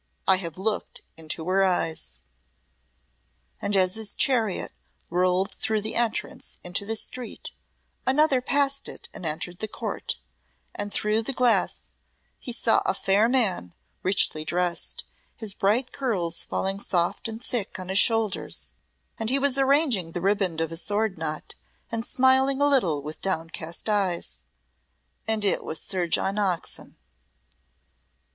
I have looked into her eyes." And as his chariot rolled through the entrance into the street, another passed it and entered the court, and through the glass he saw a fair man, richly dressed, his bright curls falling soft and thick on his shoulders; and he was arranging the ribband of his sword knot, and smiling a little with downcast eyes and it was Sir John Oxon.